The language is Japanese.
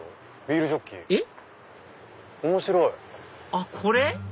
あっこれ？